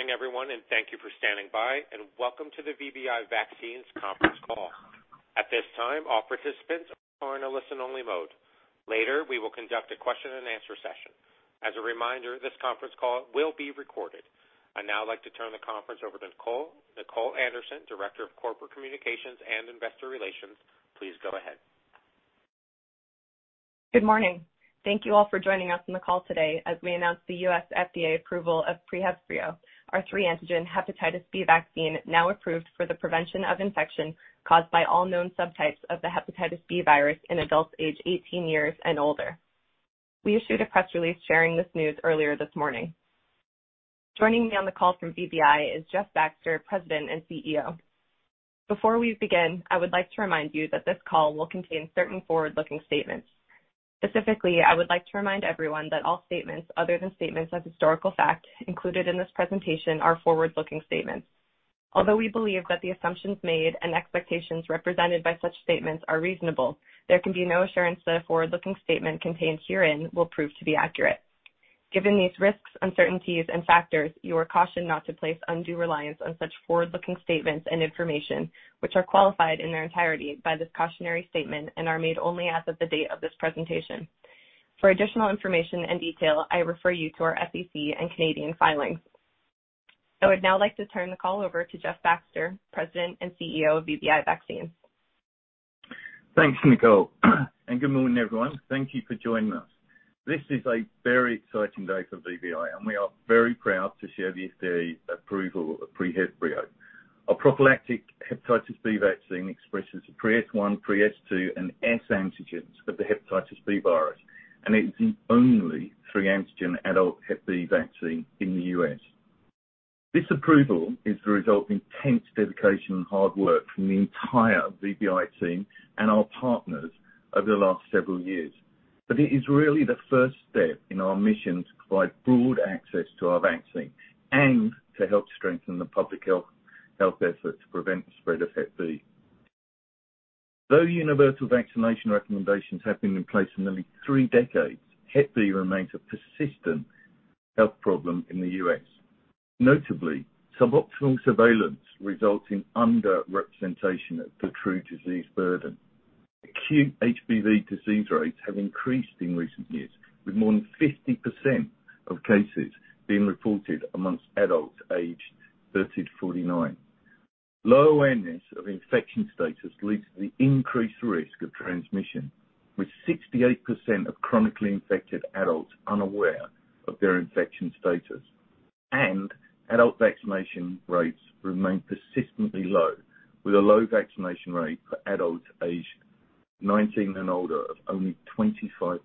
Good morning, everyone, and thank you for standing by and Welcome to the VBI Vaccines conference call. At this time, all participants are in a listen-only mode. Later, we will conduct a question and answer session. As a reminder, this conference call will be recorded. I'd now like to turn the conference over to Nicole. Nicole Anderson, Director of Corporate Communications and Investor Relations. Please go ahead. Good morning. Thank you all for joining us on the call today as we announce the U.S. FDA approval of PreHevbrio, our three-antigen hepatitis B vaccine, now approved for the prevention of infection caused by all known subtypes of the hepatitis B virus in adults aged 18 years and older. We issued a press release sharing this news earlier this morning. Joining me on the call from VBI is Jeff Baxter, President and CEO. Before we begin, I would like to remind you that this call will contain certain forward-looking statements. Specifically, I would like to remind everyone that all statements other than statements of historical fact included in this presentation are forward-looking statements. Although we believe that the assumptions made and expectations represented by such statements are reasonable, there can be no assurance that a forward-looking statement contained herein will prove to be accurate. Given these risks, uncertainties, and factors, you are cautioned not to place undue reliance on such forward-looking statements and information, which are qualified in their entirety by this cautionary statement and are made only as of the date of this presentation. For additional information and detail, I refer you to our SEC and Canadian filings. I would now like to turn the call over to Jeff Baxter, President and CEO of VBI Vaccines. Thanks, Nicole, and good morning, everyone. Thank you for joining us. This is a very exciting day for VBI, and we are very proud to share the FDA approval of PreHevbrio. A prophylactic hepatitis B vaccine expresses pre-S1, pre-S2, and S antigens for the hepatitis B virus, and it is the only three-antigen adult Hep B vaccine in the U.S. This approval is the result of intense dedication and hard work from the entire VBI team and our partners over the last several years. It is really the first step in our mission to provide broad access to our vaccine and to help strengthen the public health effort to prevent the spread of Hep B. Though universal vaccination recommendations have been in place for nearly three decades, Hep B remains a persistent health problem in the U.S. Notably, suboptimal surveillance results in under-representation of the true disease burden. Acute HBV disease rates have increased in recent years, with more than 50% of cases being reported among adults aged 30-49. Low awareness of infection status leads to the increased risk of transmission, with 68% of chronically infected adults unaware of their infection status. Adult vaccination rates remain persistently low, with a low vaccination rate for adults aged 19 and older of only 25%.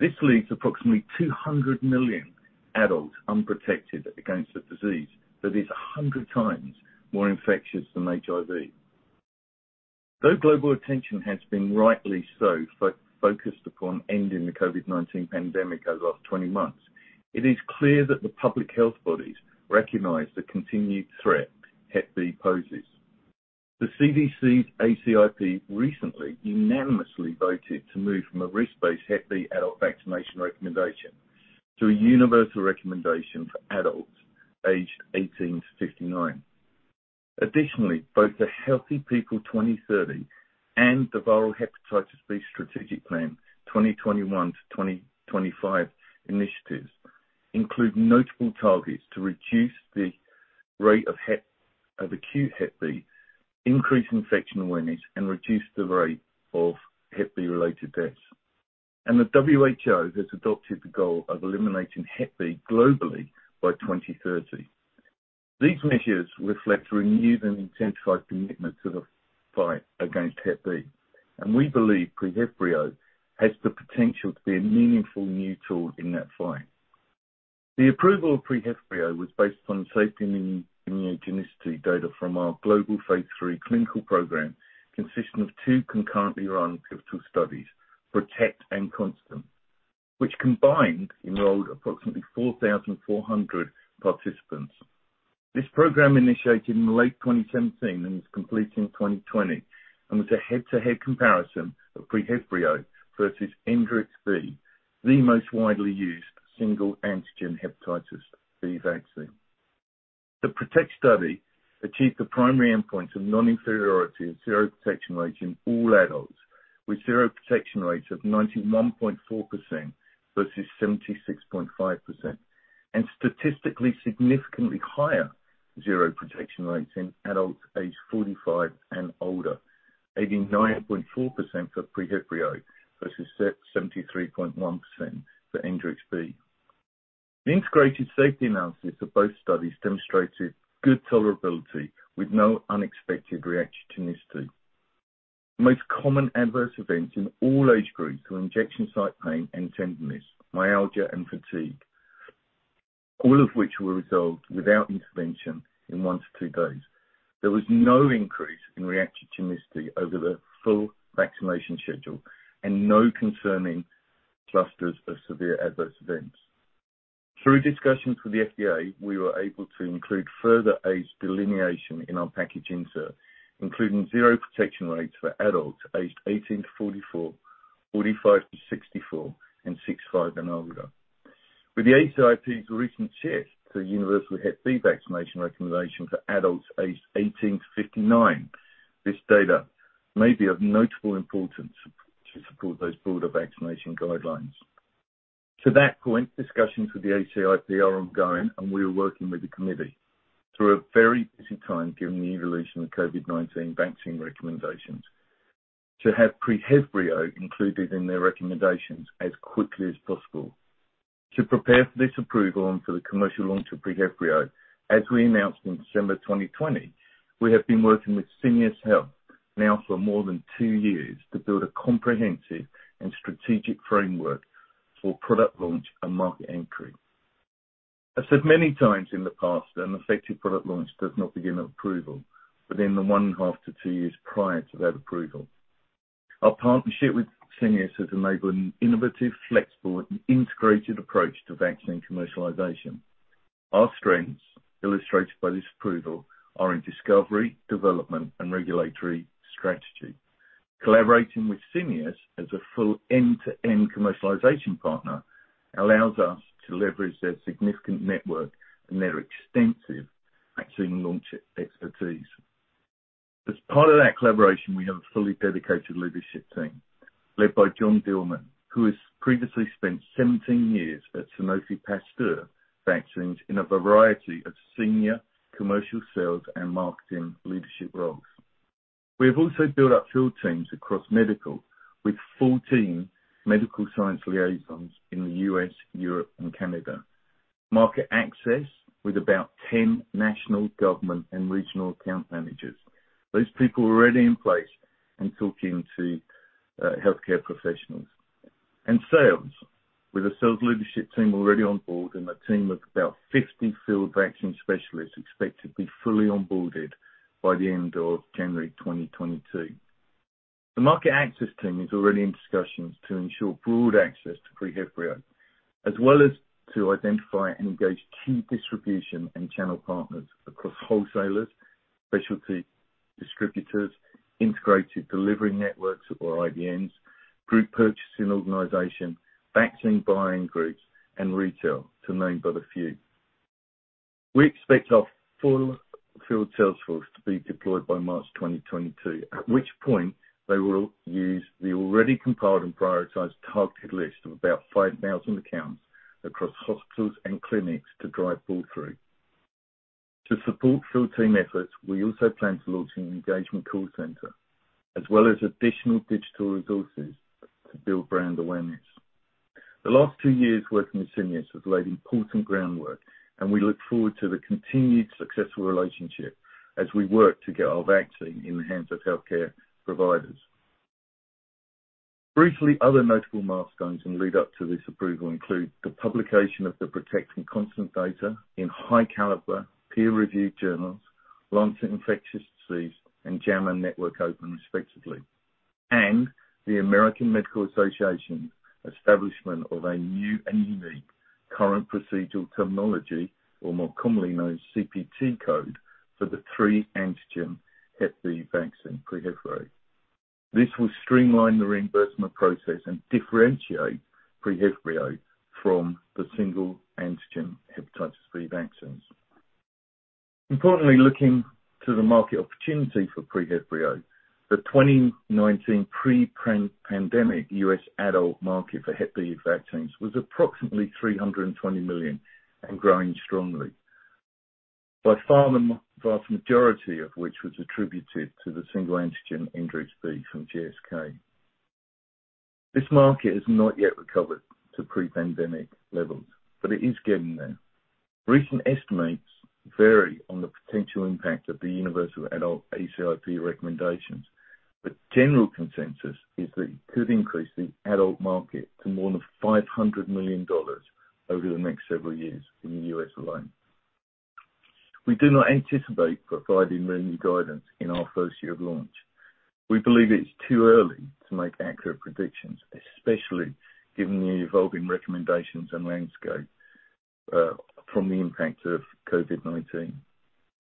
This leaves approximately 200 million adults unprotected against a disease that is 100 times more infectious than HIV. Though global attention has been rightly so focused upon ending the COVID-19 pandemic over the last 20 months, it is clear that the public health bodies recognize the continued threat Hep B poses. The CDC's ACIP recently unanimously voted to move from a risk-based Hep B adult vaccination recommendation to a universal recommendation for adults aged 18-59. Additionally, both the Healthy People 2030 and the Viral Hepatitis B Strategic Plan 2021 to 2025 initiatives include notable targets to reduce the rate of acute Hep B, increase infection awareness, and reduce the rate of Hep B-related deaths. The WHO has adopted the goal of eliminating Hep B globally by 2030. These measures reflect renewed and intensified commitment to the fight against Hep B, and we believe PreHevbrio has the potential to be a meaningful new tool in that fight. The approval of PreHevbrio was based on safety and immunogenicity data from our global phase III clinical program, consisting of two concurrently run pivotal studies, PROTECT and CONSTANT, which combined enrolled approximately 4,400 participants. This program initiated in late 2017 and was completed in 2020 and was a head-to-head comparison of PreHevbrio versus Engerix-B, the most widely used single antigen hepatitis B vaccine. The PROTECT study achieved the primary endpoint of non-inferiority of seroprotection rates in all adults, with seroprotection rates of 91.4% versus 76.5%, and statistically significantly higher seroprotection rates in adults aged 45 and older, 89.4% for PreHevbrio versus 73.1% for Engerix-B. The integrated safety analysis of both studies demonstrated good tolerability with no unexpected reactogenicity. The most common adverse events in all age groups were injection site pain and tenderness, myalgia, and fatigue, all of which were resolved without intervention in one-two days. There was no increase in reactogenicity over the full vaccination schedule and no concerning clusters of severe adverse events. Through discussions with the FDA, we were able to include further age delineation in our package insert, including seroprotection rates for adults aged 18 to 44, 45 to 64, and 65 and older. With the ACIP's recent shift to universal Hep B vaccination recommendation for adults aged 18 to 59, this data may be of notable importance to support those broader vaccination guidelines. To that point, discussions with the ACIP are ongoing, and we are working with the committee through a very busy time, given the evolution of COVID-19 vaccine recommendations, to have PreHevbrio included in their recommendations as quickly as possible. To prepare for this approval and for the commercial launch of PreHevbrio, as we announced in December 2020, we have been working with Syneos Health now for more than two years to build a comprehensive and strategic framework for product launch and market entry. I said many times in the past, an effective product launch does not begin at approval, but in the one and a half to two years prior to that approval. Our partnership with Syneos has enabled an innovative, flexible, and integrated approach to vaccine commercialization. Our strengths, illustrated by this approval, are in discovery, development, and regulatory strategy. Collaborating with Syneos as a full end-to-end commercialization partner allows us to leverage their significant network and their extensive vaccine launch expertise. As part of that collaboration, we have a fully dedicated leadership team led by John Dillman, who has previously spent 17 years at Sanofi Pasteur vaccines in a variety of senior commercial sales and marketing leadership roles. We have also built up field teams across medical with 14 medical science liaisons in the U.S., Europe, and Canada, market access with about 10 national government and regional account managers. Those people are already in place and talking to healthcare professionals. Sales, with a sales leadership team already on board and a team of about 50 field vaccine specialists expected to be fully onboarded by the end of January 2022. The market access team is already in discussions to ensure broad access to PreHevbrio, as well as to identify and engage key distribution and channel partners across wholesalers, specialty distributors, integrated delivery networks, or IDNs, group purchasing organizations, vaccine buying groups, and retail, to name but a few. We expect our full field sales force to be deployed by March 2022, at which point they will use the already compiled and prioritized targeted list of about 5,000 accounts across hospitals and clinics to drive pull-through. To support field team efforts, we also plan to launch an engagement call center as well as additional digital resources to build brand awareness. The last two years working with Syneos has laid important groundwork, and we look forward to the continued successful relationship as we work to get our vaccine in the hands of healthcare providers. Briefly, other notable milestones in the lead-up to this approval include the publication of the PROTECT and CONSTANT data in high-caliber peer-reviewed journals, The Lancet Infectious Diseases and JAMA Network Open, respectively, and the American Medical Association establishment of a new and unique current procedural terminology, or more commonly known CPT code, for the three-antigen Hep B vaccine PreHevbrio. This will streamline the reimbursement process and differentiate PreHevbrio from the single-antigen Hepatitis B vaccines. Importantly, looking to the market opportunity for PreHevbrio, the 2019 pre-pan-pandemic U.S. adult market for Hep B vaccines was approximately $320 million and growing strongly. By far the vast majority of which was attributed to the single-antigen Engerix-B from GSK. This market has not yet recovered to pre-pandemic levels, but it is getting there. Recent estimates vary on the potential impact of the universal adult ACIP recommendations, but general consensus is that it could increase the adult market to more than $500 million over the next several years in the U.S. alone. We do not anticipate providing revenue guidance in our first year of launch. We believe it's too early to make accurate predictions, especially given the evolving recommendations and landscape from the impact of COVID-19.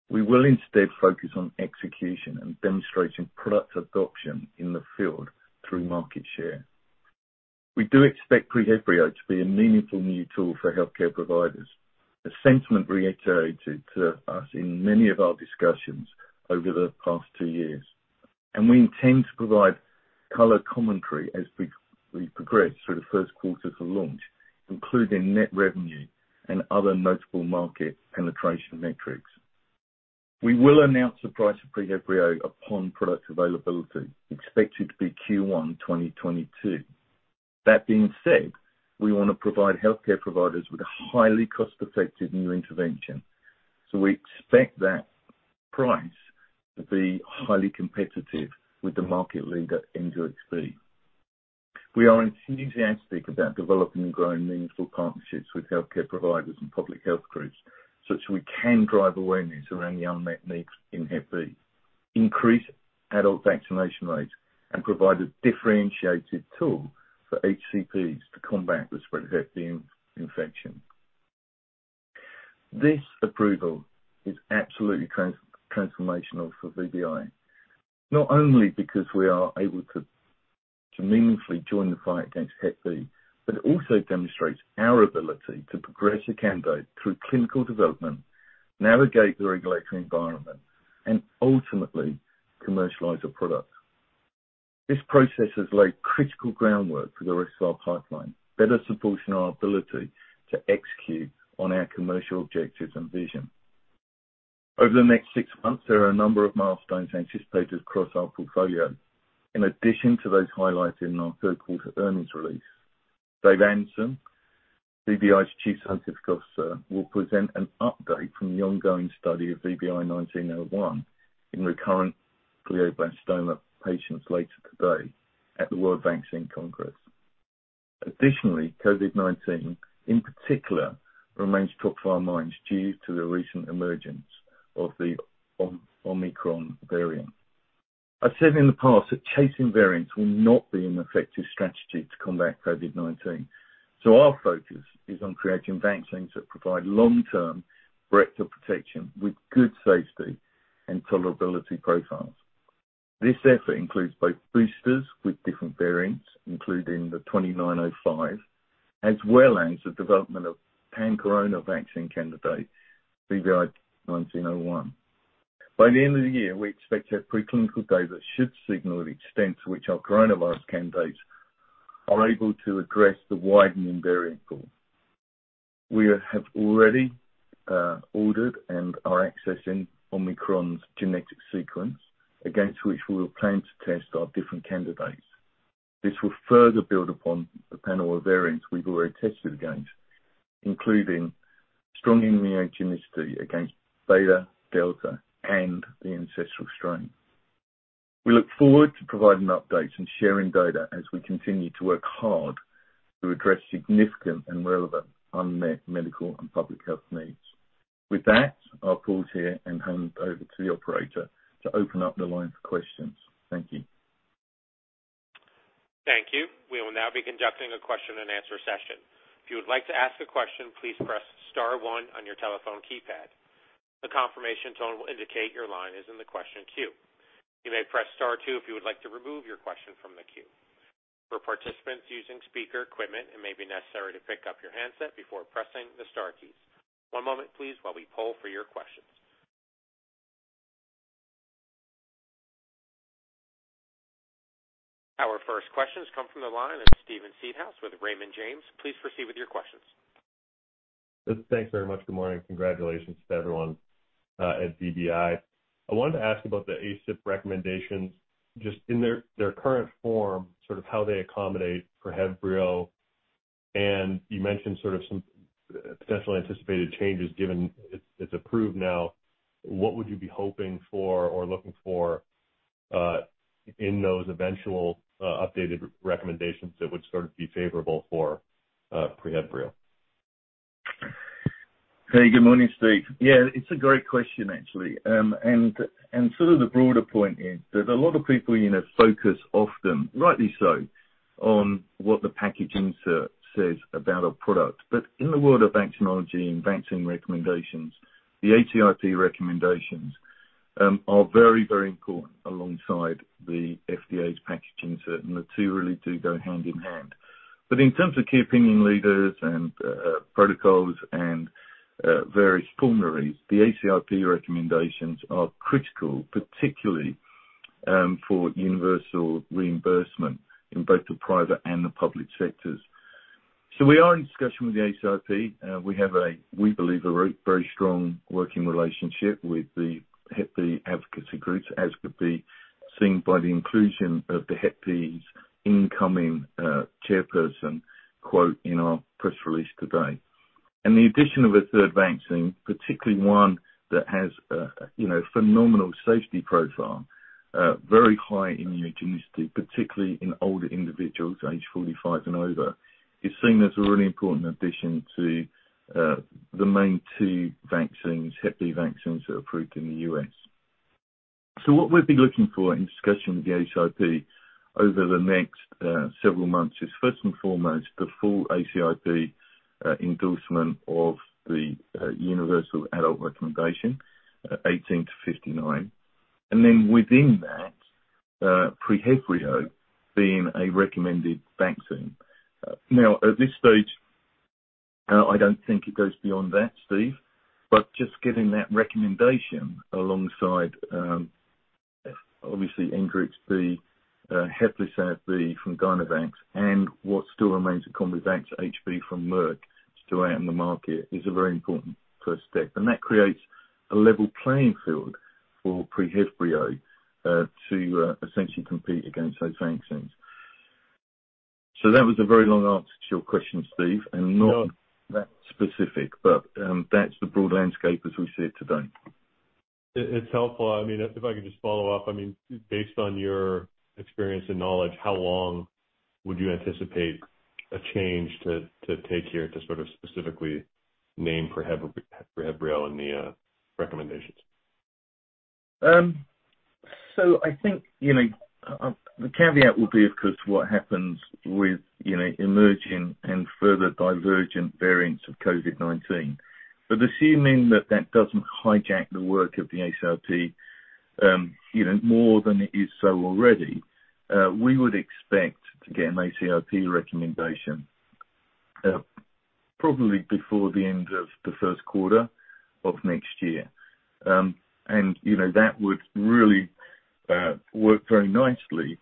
We will instead focus on execution and demonstrating product adoption in the field through market share. We do expect PreHevbrio to be a meaningful new tool for healthcare providers, the sentiment reiterated to us in many of our discussions over the past two years. We intend to provide color commentary as we progress through the first quarter for launch, including net revenue and other notable market penetration metrics. We will announce the price of PreHevbrio upon product availability, expected to be Q1 2022. That being said, we wanna provide healthcare providers with a highly cost-effective new intervention, so we expect that price to be highly competitive with the market leader Engerix-B. We are enthusiastic about developing and growing meaningful partnerships with healthcare providers and public health groups, such that we can drive awareness around the unmet needs in Hep B, increase adult vaccination rates, and provide a differentiated tool for HCPs to combat the spread of Hep B infection. This approval is absolutely transformational for VBI, not only because we are able to meaningfully join the fight against Hep B, but it also demonstrates our ability to progress a candidate through clinical development, navigate the regulatory environment, and ultimately commercialize a product. This process has laid critical groundwork for the rest of our pipeline, better supporting our ability to execute on our commercial objectives and vision. Over the next six months, there are a number of milestones anticipated across our portfolio. In addition to those highlighted in our third quarter earnings release, David Anderson, VBI's Chief Scientific Officer, will present an update from the ongoing study of VBI-1901 in recurrent glioblastoma patients later today at the World Vaccine Congress. Additionally, COVID-19 in particular remains top of our minds due to the recent emergence of the Omicron variant. I've said in the past that chasing variants will not be an effective strategy to combat COVID-19, so our focus is on creating vaccines that provide long-term breadth of protection with good safety and tolerability profiles. This effort includes both boosters with different variants, including the VBI-2905, as well as the development of pan-corona vaccine candidate VBI-2901. By the end of the year, we expect to have pre-clinical data that should signal the extent to which our coronavirus candidates are able to address the widening variant pool. We have already ordered and are accessing Omicron's genetic sequence against which we will plan to test our different candidates. This will further build upon the panel of variants we've already tested against, including strong immunogenicity against Beta, Delta, and the ancestral strain. We look forward to providing updates and sharing data as we continue to work hard to address significant and relevant unmet medical and public health needs. With that, I'll pause here and hand over to the operator to open up the line for questions. Thank you. Thank you. We will now be conducting a question and answer session. If you would like to ask a question, please press star one on your telephone keypad. A confirmation tone will indicate your line is in the question queue. You may press star two if you would like to remove your question from the queue. For participants using speaker equipment, it may be necessary to pick up your handset before pressing the star keys. One moment, please, while we poll for your questions. Our first questions come from the line of Steven Seedhouse with Raymond James. Please proceed with your questions. Thanks very much. Good morning. Congratulations to everyone at VBI. I wanted to ask about the ACIP recommendations, just in their current form, sort of how they accommodate for PreHevbrio. You mentioned sort of some potentially anticipated changes given it's approved now. What would you be hoping for or looking for in those eventual updated recommendations that would sort of be favorable for PreHevbrio? Hey, good morning, Steve. Yeah, it's a great question actually. Sort of the broader point is that a lot of people, you know, focus often, rightly so, on what the package insert says about a product. In the world of vaccinology and vaccine recommendations, the ACIP recommendations are very, very important alongside the FDA's package insert, and the two really do go hand in hand. In terms of key opinion leaders and protocols and various formularies, the ACIP recommendations are critical, particularly for universal reimbursement in both the private and the public sectors. We are in discussion with the ACIP. We have, we believe, a very strong working relationship with the Hep B advocacy groups, as could be seen by the inclusion of the Hep B's incoming chairperson quote in our press release today. The addition of a third vaccine, particularly one that has, you know, phenomenal safety profile, very high immunogenicity, particularly in older individuals aged 45 and over, is seen as a really important addition to the main two vaccines, Hep B vaccines that are approved in the U.S. What we've been looking for in discussion with the ACIP over the next several months is, first and foremost, the full ACIP endorsement of the universal adult recommendation 18-59. Then within that, PreHevbrio being a recommended vaccine. At this stage, I don't think it goes beyond that, Steve, but just getting that recommendation alongside, obviously Engerix-B, HEPLISAV-B from Dynavax, and what still remains RECOMBIVAX HB from Merck, still out in the market, is a very important first step. That creates a level playing field for PreHevbrio to essentially compete against those vaccines. That was a very long answer to your question, Steve, and not that specific, but that's the broad landscape as we see it today. It's helpful. I mean, if I could just follow up. I mean, based on your experience and knowledge, how long would you anticipate a change to take here to sort of specifically name PreHevbrio in the recommendations? I think, you know, the caveat would be, of course, what happens with, you know, emerging and further divergent variants of COVID-19. Assuming that that doesn't hijack the work of the ACIP, you know, more than it is so already, we would expect to get an ACIP recommendation, probably before the end of the first quarter of next year. And, you know, that would really work very nicely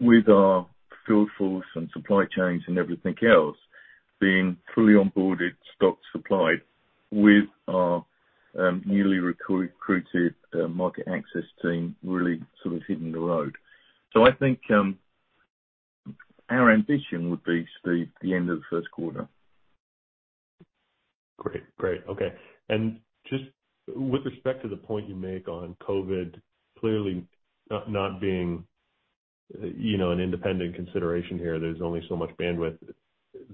with our field force and supply chains and everything else being fully onboarded, stock supplied with our newly recruited market access team, really sort of hitting the road. I think our ambition would be, Steve, the end of the first quarter. Great. Okay. Just with respect to the point you make on COVID clearly not being, you know, an independent consideration here, there's only so much bandwidth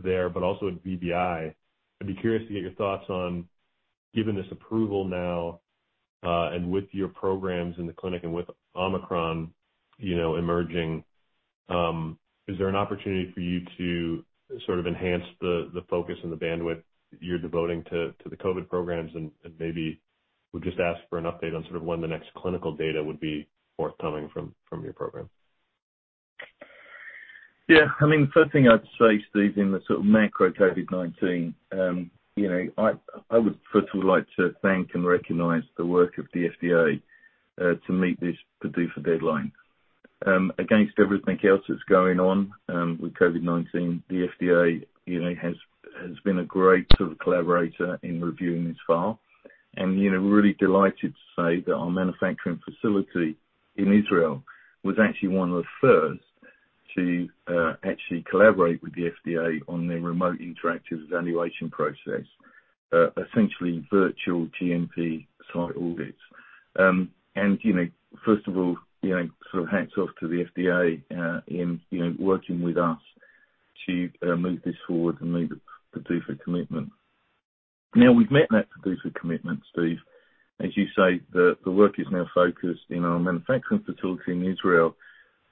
there, but also at VBI, I'd be curious to get your thoughts on, given this approval now, and with your programs in the clinic and with Omicron, you know, emerging, is there an opportunity for you to sort of enhance the focus and the bandwidth you're devoting to the COVID programs? And maybe we'll just ask for an update on sort of when the next clinical data would be forthcoming from your program. Yeah. I mean, first thing I'd say, Steve, in the sort of macro COVID-19, you know, I would first of all like to thank and recognize the work of the FDA to meet this PDUFA deadline. Against everything else that's going on with COVID-19, the FDA, you know, has been a great sort of collaborator in reviewing this file. You know, really delighted to say that our manufacturing facility in Israel was actually one of the first to actually collaborate with the FDA on their remote interactive evaluation process, essentially virtual GMP site audits. You know, first of all, you know, sort of hats off to the FDA in working with us to move this forward and meet the PDUFA commitment. Now, we've met that PDUFA commitment, Steve. As you say, the work is now focused in our manufacturing facility in Israel,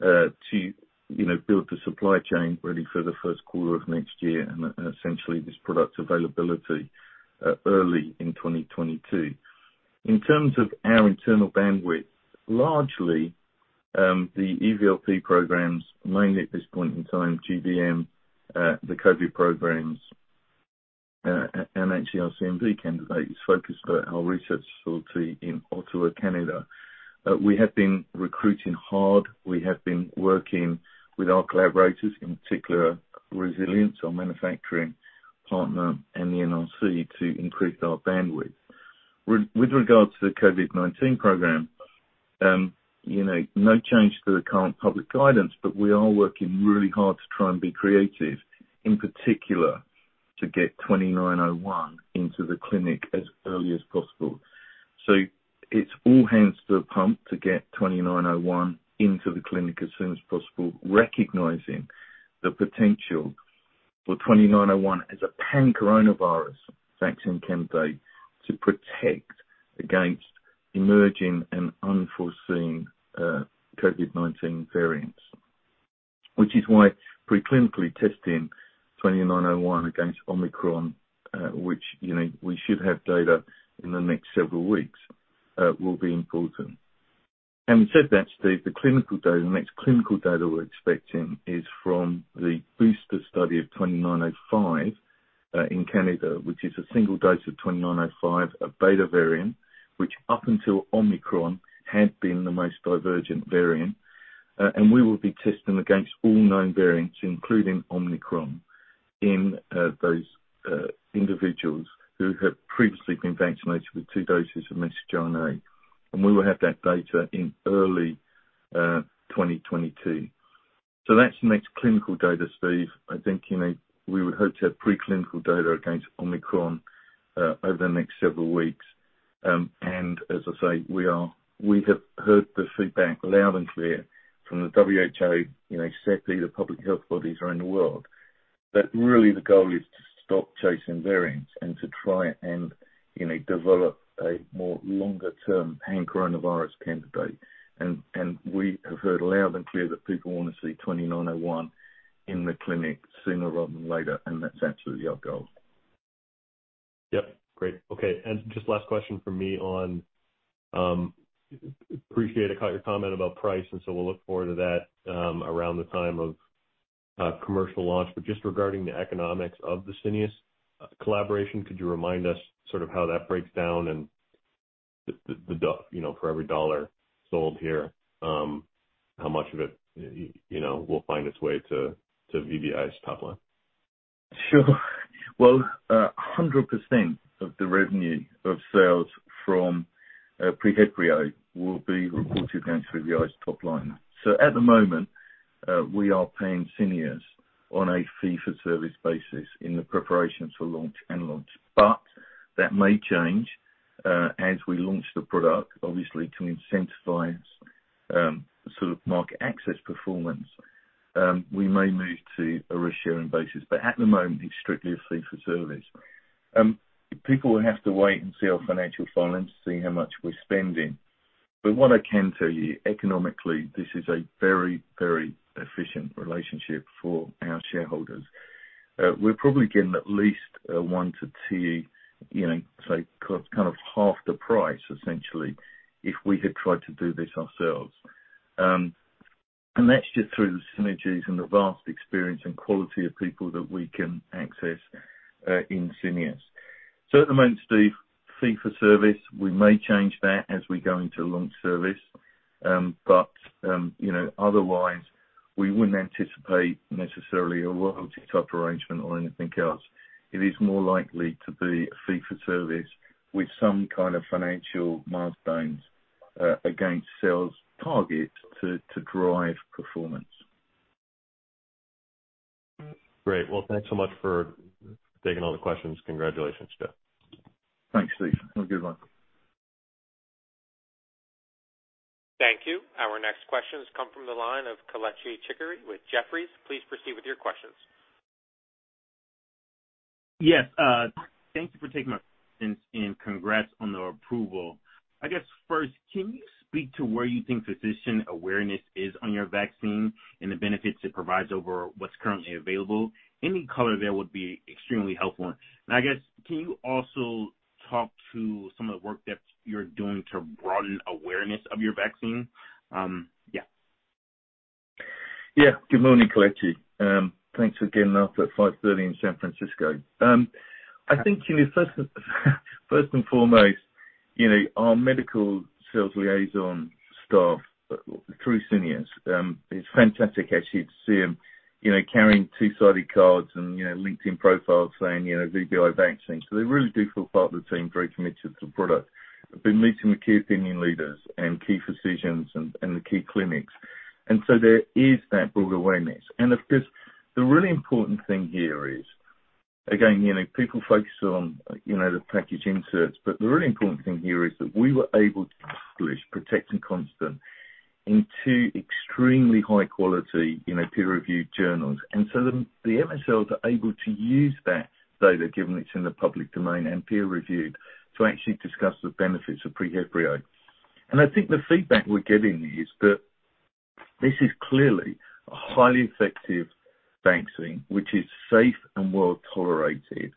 to, you know, build the supply chain ready for the first quarter of next year and essentially this product availability early in 2022. In terms of our internal bandwidth, largely, the EVLP programs, mainly at this point in time, GBM, the COVID programs, and actually our CMV candidate is focused at our research facility in Ottawa, Canada. We have been recruiting hard. We have been working with our collaborators, in particular Resilience, our manufacturing partner, and the NRC to increase our bandwidth. With regards to the COVID-19 program, you know, no change to the current public guidance, but we are working really hard to try and be creative, in particular to get 2901 into the clinic as early as possible. It's all hands to the pump to get twenty-nine oh one into the clinic as soon as possible, recognizing the potential for twenty-nine oh one as a pan-coronavirus vaccine candidate to protect against emerging and unforeseen COVID-19 variants, which is why preclinically testing twenty-nine oh one against Omicron, which, you know, we should have data in the next several weeks, will be important. Having said that, Steve, the clinical data, the next clinical data we're expecting is from the booster study of twenty-nine oh five in Canada, which is a single dose of twenty-nine oh five, a Beta variant, which up until Omicron had been the most divergent variant. We will be testing against all known variants, including Omicron, in those individuals who have previously been vaccinated with two doses of messenger RNA. We will have that data in early 2022. That's the next clinical data, Steve. I think, you know, we would hope to have preclinical data against Omicron over the next several weeks. We have heard the feedback loud and clear from the WHO, you know, exactly the public health bodies around the world, that really the goal is to stop chasing variants and to try and, you know, develop a more longer-term pan-coronavirus candidate. We have heard loud and clear that people wanna see 2901 in the clinic sooner rather than later, and that's absolutely our goal. Yep. Great. Okay. Just last question from me. I appreciate your comment about price, so we'll look forward to that around the time of commercial launch. Just regarding the economics of the Syneos collaboration, could you remind us sort of how that breaks down and, you know, for every dollar sold here, how much of it, you know, will find its way to VBI's top line? Sure. Well, 100% of the revenue of sales from PreHevbrio will be reported against VBI's top line. At the moment, we are paying Syneos on a fee for service basis in the preparation for launch and launch. That may change as we launch the product, obviously to incentivize sort of market access performance. We may move to a risk sharing basis. At the moment, it's strictly a fee for service. People will have to wait and see our financial filings to see how much we're spending. What I can tell you economically, this is a very, very efficient relationship for our shareholders. We're probably getting at least a one-two, you know, say, kind of half the price, essentially, if we had tried to do this ourselves. That's just through the synergies and the vast experience and quality of people that we can access in Syneos. At the moment, Steve, fee for service, we may change that as we go into launch service. You know, otherwise we wouldn't anticipate necessarily a royalty type arrangement or anything else. It is more likely to be a fee for service with some kind of financial milestones against sales target to drive performance. Great. Well, thanks so much for taking all the questions. Congratulations, Jeff. Thanks, Steve. Have a good one. Thank you. Our next question has come from the line of Kelechi Chikere with Jefferies. Please proceed with your questions. Yes. Thank you for taking my questions, and congrats on the approval. I guess, first, can you speak to where you think physician awareness is on your vaccine and the benefits it provides over what's currently available? Any color there would be extremely helpful. I guess, can you also talk to some of the work that you're doing to broaden awareness of your vaccine? Yeah. Yeah. Good morning, Kelechi. Thanks for getting up at 5:30AM in San Francisco. I think, you know, first and foremost, you know, our medical sales liaison staff through Syneos, it's fantastic actually to see them, you know, carrying two-sided cards and, you know, LinkedIn profiles saying, you know, VBI Vaccines. So they really do feel part of the team, very committed to the product. They've been meeting with key opinion leaders and key physicians and the key clinics. So there is that broader awareness. Of course, the really important thing here is, again, you know, people focus on, you know, the package inserts, but the really important thing here is that we were able to establish PROTECT and CONSTANT in two extremely high quality, you know, peer-reviewed journals. The MSLs are able to use that data, given it's in the public domain and peer-reviewed, to actually discuss the benefits of PreHevbrio. I think the feedback we're getting is that this is clearly a highly effective vaccine, which is safe and well-tolerated,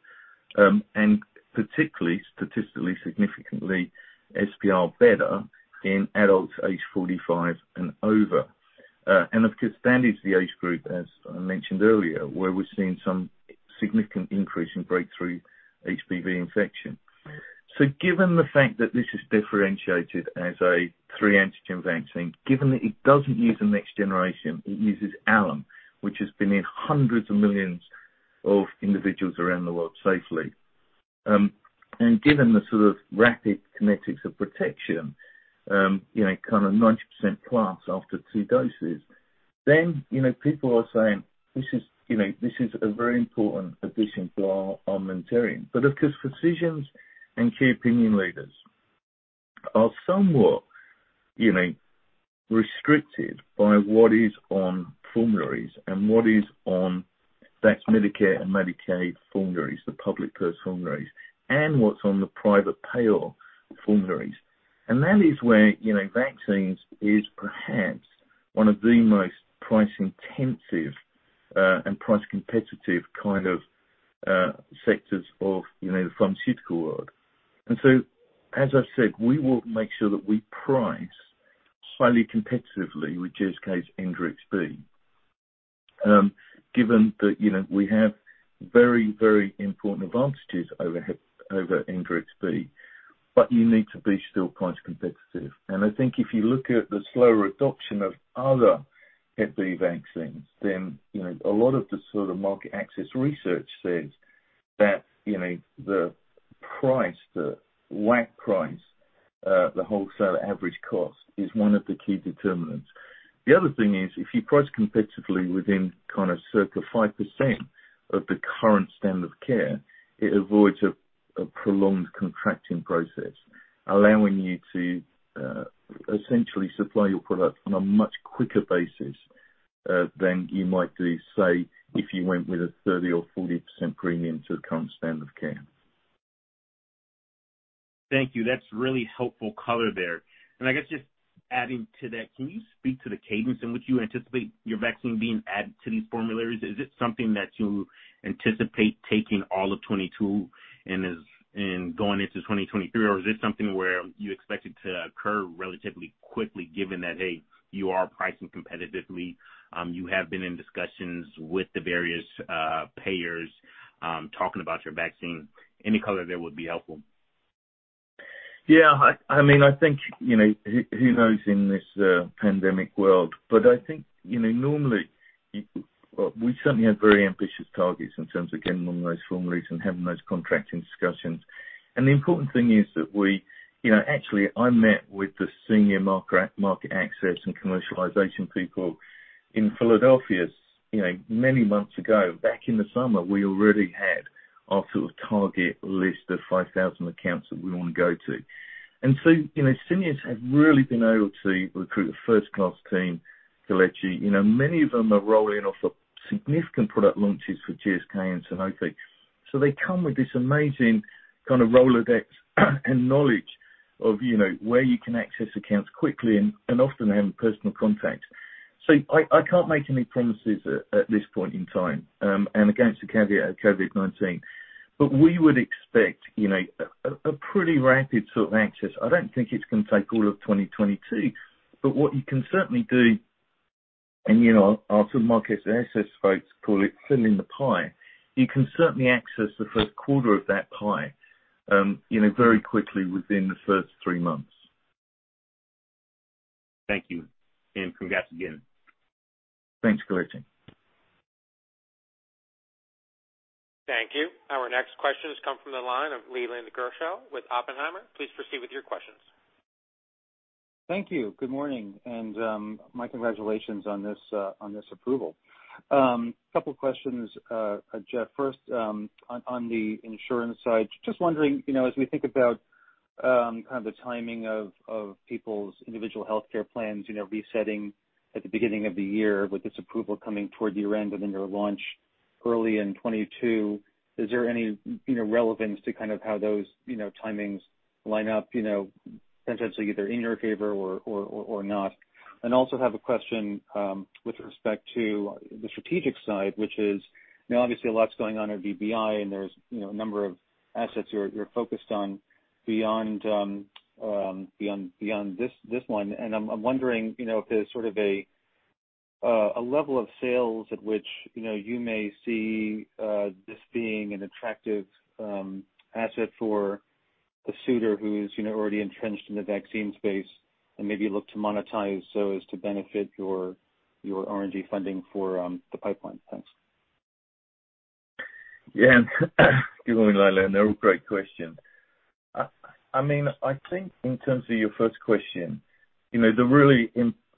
and particularly statistically significantly SPR better in adults age 45 and over. Of course, that is the age group, as I mentioned earlier, where we're seeing some significant increase in breakthrough HBV infection. Given the fact that this is differentiated as a three-antigen vaccine, given that it doesn't use a next generation, it uses alum, which has been in hundreds of millions of individuals around the world safely. Given the sort of rapid kinetics of protection, you know, kind of 90% plus after two doses, then, you know, people are saying, "This is, you know, this is a very important addition to our armamentarium." Of course, physicians and key opinion leaders are somewhat, you know, restricted by what is on formularies and what is on, that's Medicare and Medicaid formularies, the public pay formularies, and what's on the private payer formularies. That is where, you know, vaccines is perhaps one of the most price-intensive, and price-competitive kind of, sectors of, you know, the pharmaceutical world. As I've said, we will make sure that we price highly competitively with GSK's Engerix-B. Given that, you know, we have very, very important advantages over Engerix-B, but you need to be still price competitive. I think if you look at the slower adoption of other Hep B vaccines, you know, a lot of the sort of market access research says that, you know, the price, the WAC price, the wholesale acquisition cost, is one of the key determinants. The other thing is, if you price competitively within kinda circa 5% of the current standard of care, it avoids a prolonged contracting process, allowing you to essentially supply your product on a much quicker basis than you might do, say, if you went with a 30% or 40% premium to the current standard of care. Thank you. That's really helpful color there. I guess just adding to that, can you speak to the cadence in which you anticipate your vaccine being added to these formularies? Is it something that you anticipate taking all of 2022 and going into 2023? Or is this something where you expect it to occur relatively quickly given that, hey, you are pricing competitively, you have been in discussions with the various, payers, talking about your vaccine? Any color there would be helpful. Yeah, I mean, I think, you know, who knows in this pandemic world. I think, you know, normally, we certainly have very ambitious targets in terms of getting on those formularies and having those contracting discussions. The important thing is that we, you know, actually, I met with the senior market access and commercialization people in Philadelphia, you know, many months ago. Back in the summer, we already had our sort of target list of 5,000 accounts that we wanna go to. You know, Syneos have really been able to recruit a first-class team, Kelechi. You know, many of them are rolling off of significant product launches for GSK and Sanofi. They come with this amazing kind of Rolodex and knowledge of, you know, where you can access accounts quickly and often have personal contact. I can't make any promises at this point in time, with the caveat of COVID-19. We would expect a pretty rapid sort of access. I don't think it's gonna take all of 2022, but what you can certainly do, our market folks call it filling the pie. You can certainly access the first quarter of that pie very quickly within the first three months. Thank you. Congrats again. Thanks, Kelechi. Thank you. Our next question has come from the line of Leland Gershell with Oppenheimer. Please proceed with your questions. Thank you. Good morning, and my congratulations on this approval. Couple questions, Jeff. First, on the insurance side, just wondering, you know, as we think about kind of the timing of people's individual healthcare plans, you know, resetting at the beginning of the year with this approval coming toward the end and then your launch early in 2022, is there any, you know, relevance to kind of how those, you know, timings line up, you know, potentially either in your favor or not? Also have a question with respect to the strategic side, which is, you know, obviously a lot's going on at VBI and there's, you know, a number of assets you're focused on beyond this one. I'm wondering, you know, if there's sort of a level of sales at which, you know, you may see this being an attractive asset for a suitor who's, you know, already entrenched in the vaccine space and maybe look to monetize so as to benefit your R&D funding for the pipeline. Thanks. Yeah. Good morning, Leland. They're all great questions. I mean, I think in terms of your first question, you know, the really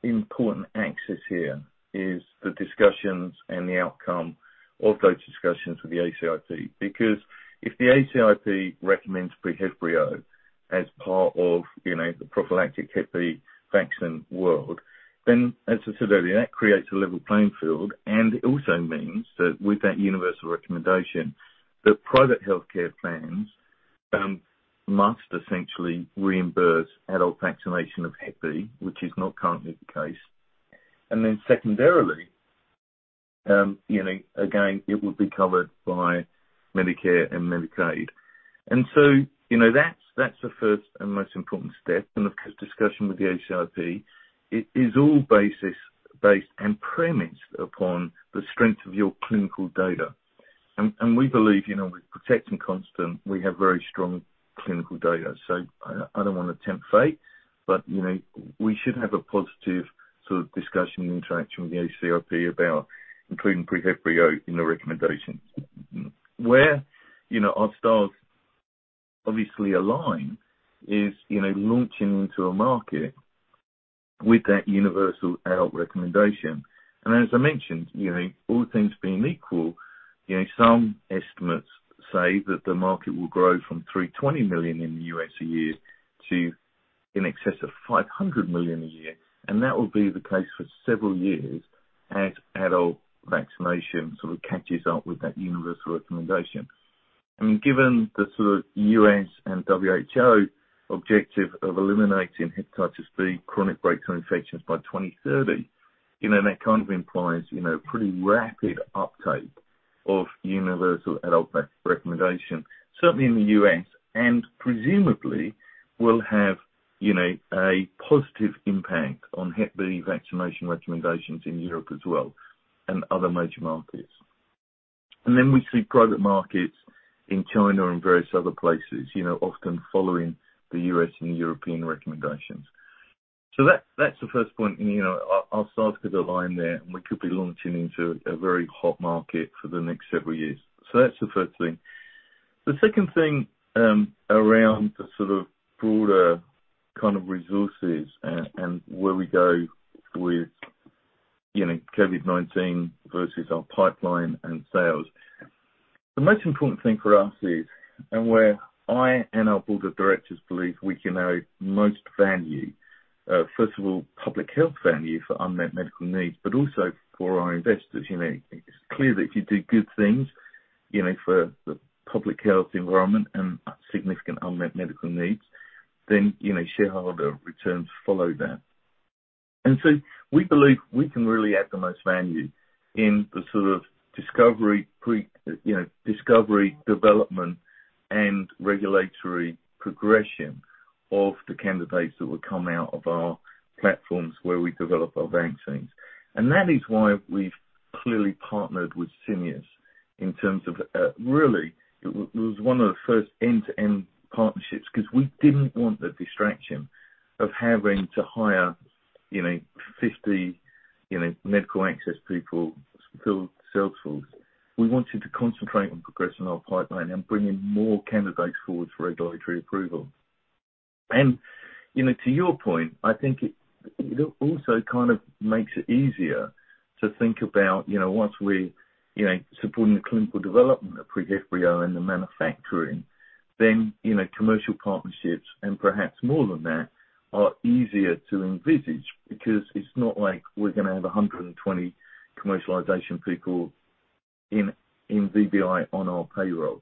important axis here is the discussions and the outcome of those discussions with the ACIP. Because if the ACIP recommends PreHevbrio as part of, you know, the prophylactic Hep B vaccine world, then as I said earlier, that creates a level playing field and also means that with that universal recommendation, that private healthcare plans must essentially reimburse adult vaccination of Hep B, which is not currently the case. Secondarily, you know, again, it would be covered by Medicare and Medicaid. You know, that's the first and most important step in the discussion with the ACIP. It is all based and premised upon the strength of your clinical data. We believe, you know, with PROTECT and CONSTANT, we have very strong clinical data. I don't wanna tempt fate, but, you know, we should have a positive sort of discussion and interaction with the ACIP about including PreHevbrio in the recommendations. Where, you know, our stars obviously align is, you know, launching into a market with that universal adult recommendation. As I mentioned, you know, all things being equal, you know, some estimates say that the market will grow from $320 million in the U.S. a year to in excess of $500 million a year, and that will be the case for several years as adult vaccination sort of catches up with that universal recommendation. I mean, given the sort of U.S. and WHO objective of eliminating hepatitis B chronic breakthrough infections by 2030, you know, that kind of implies, you know, pretty rapid uptake of universal adult vaccine recommendation, certainly in the U.S., and presumably will have, you know, a positive impact on hepatitis B vaccination recommendations in Europe as well and other major markets. We see private markets in China and various other places, you know, often following the U.S. and European recommendations. That, that's the first point, you know. Our stars could align there, and we could be launching into a very hot market for the next several years. That's the first thing. The second thing, around the sort of broader kind of resources and where we go with, you know, COVID-19 versus our pipeline and sales. The most important thing for us is, and where I and our board of directors believe we can add most value, first of all, public health value for unmet medical needs, but also for our investors. You know, it's clear that if you do good things, you know, for the public health environment and, significant unmet medical needs, then, you know, shareholder returns follow that. We believe we can really add the most value in the sort of discovery pre-discovery, development, and regulatory progression of the candidates that would come out of our platforms where we develop our vaccines. That is why we've clearly partnered with Syneos in terms of, really was one of the first end-to-end partnerships, 'cause we didn't want the distraction of having to hire, you know, 50 medical access people to fill the sales force. We wanted to concentrate on progressing our pipeline and bringing more candidates forward for regulatory approval. You know, to your point, I think it also kind of makes it easier to think about, you know, once we're, you know, supporting the clinical development of PreHevbrio and the manufacturing, then, you know, commercial partnerships and perhaps more than that, are easier to envisage. Because it's not like we're gonna have 120 commercialization people in VBI on our payroll.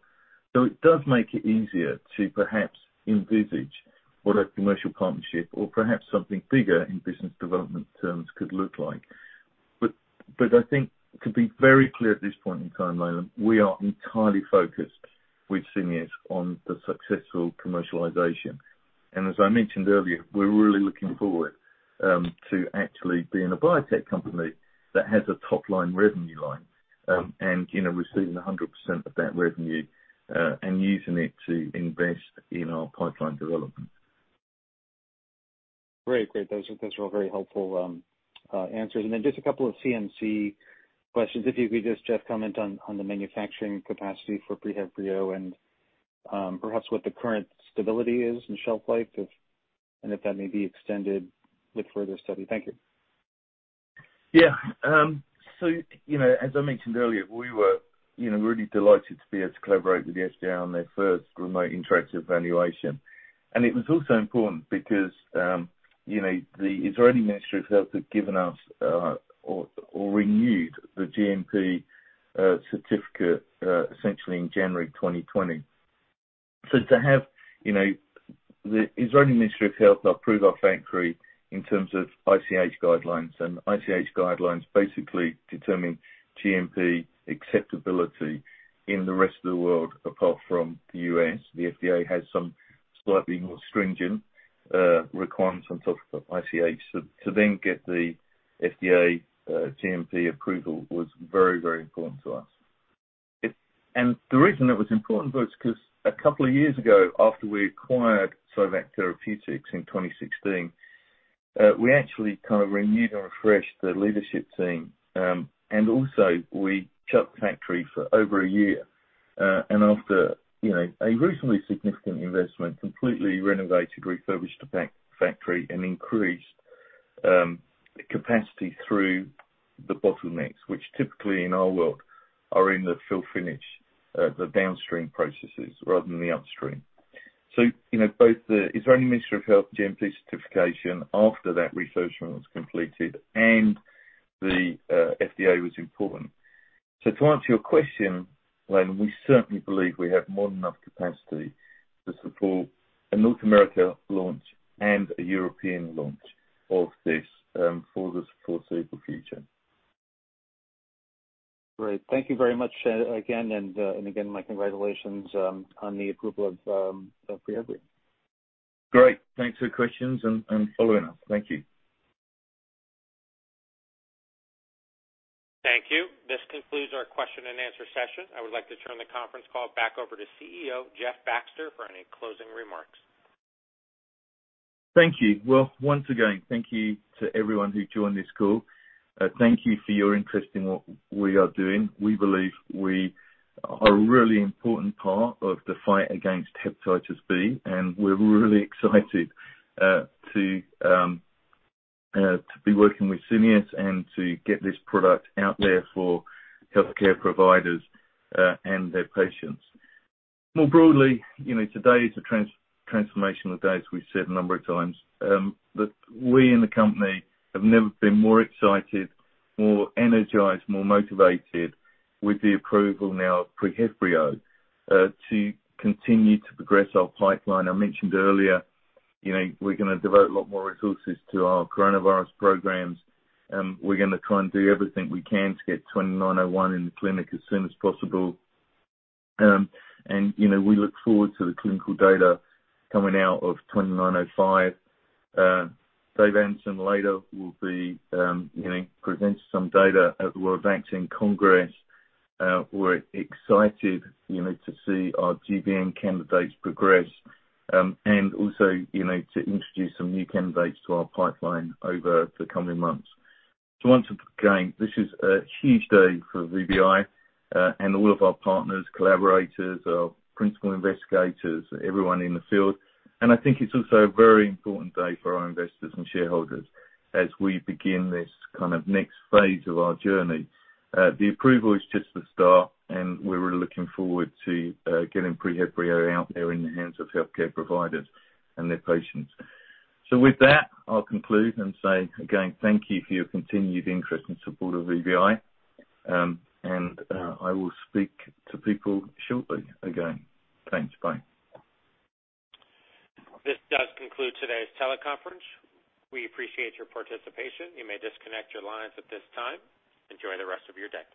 So it does make it easier to perhaps envisage what a commercial partnership or perhaps something bigger in business development terms could look like. But I think to be very clear at this point in time, Leland, we are entirely focused with Syneos on the successful commercialization. As I mentioned earlier, we're really looking forward to actually being a biotech company that has a top-line revenue line, and you know, receiving 100% of that revenue, and using it to invest in our pipeline development. Great. Those are all very helpful answers. Then just a couple of CMC questions, if you could just, Jeff, comment on the manufacturing capacity for PreHevbrio and perhaps what the current stability is and shelf life and if that may be extended with further study. Thank you. Yeah. You know, as I mentioned earlier, we were, you know, really delighted to be able to collaborate with the FDA on their first remote interactive evaluation. It was also important because, you know, the Israeli Ministry of Health had given us, or renewed the GMP certificate essentially in January 2020. To have, you know, the Israeli Ministry of Health approve our factory in terms of ICH guidelines, and ICH guidelines basically determine GMP acceptability in the rest of the world apart from the U.S. The FDA has some slightly more stringent requirements on top of ICH. To then get the FDA GMP approval was very important to us. The reason it was important for us, 'cause a couple of years ago, after we acquired SciVac Therapeutics in 2016, we actually kind of renewed and refreshed the leadership team. And also we shut the factory for over a year. And after, you know, a reasonably significant investment, completely renovated, refurbished the factory and increased capacity through the bottlenecks, which typically in our world are in the fill finish, the downstream processes rather than the upstream. You know, both the Israeli Ministry of Health GMP certification after that refurbishment was completed and the FDA was important. To answer your question, Leland, we certainly believe we have more than enough capacity to support a North America launch and a European launch of this, for this foreseeable future. Great. Thank you very much, again. Again, my congratulations on the approval of PreHevbrio. Great. Thanks for the questions and following up. Thank you. Thank you. This concludes our question and answer session. I would like to turn the conference call back over to CEO Jeff Baxter for any closing remarks. Thank you. Well, once again, thank you to everyone who joined this call. Thank you for your interest in what we are doing. We believe we are a really important part of the fight against hepatitis B, and we're really excited to be working with Syneos Health and to get this product out there for healthcare providers and their patients. More broadly, you know, today is a transformational day, as we've said a number of times. We in the company have never been more excited, more energized, more motivated with the approval now of PreHevbrio to continue to progress our pipeline. I mentioned earlier, you know, we're gonna devote a lot more resources to our coronavirus programs. We're gonna try and do everything we can to get VBI-2901 in the clinic as soon as possible. You know, we look forward to the clinical data coming out of VBI-2905. Dave Anson later will be, you know, present some data at World Vaccine Congress. We're excited, you know, to see our GBM candidates progress, and also, you know, to introduce some new candidates to our pipeline over the coming months. Once again, this is a huge day for VBI, and all of our partners, collaborators, our principal investigators, everyone in the field. I think it's also a very important day for our investors and shareholders as we begin this kind of next phase of our journey. The approval is just the start, and we're really looking forward to getting PreHevbrio out there in the hands of healthcare providers and their patients. With that, I'll conclude and say again, thank you for your continued interest and support of VBI. I will speak to people shortly again. Thanks. Bye. This does conclude today's teleconference. We appreciate your participation. You may disconnect your lines at this time. Enjoy the rest of your day.